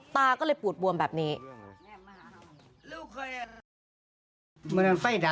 ตาก็เลยปูดบวมแบบนี้